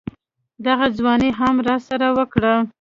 دغه ځواني يې هم راسره وکړه.